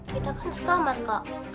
kita kan sekamar kak